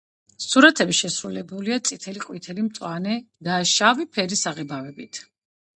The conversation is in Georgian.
სურათები შესრულებულია წითელი, ყვითელი, მწვანე და შავი ფერის საღებავებით.